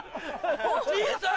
じいさん！